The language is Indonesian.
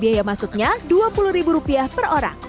biaya masuknya rp dua puluh per orang